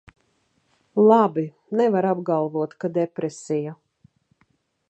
Labi, nevar apgalvot, ka depresija.